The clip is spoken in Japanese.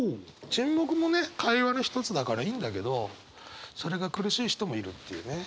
沈黙もね会話の一つだからいいんだけどそれが苦しい人もいるっていうね。